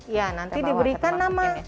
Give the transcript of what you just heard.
ya nanti diberikan nama